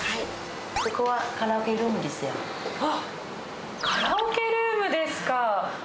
あっ、カラオケルームですか。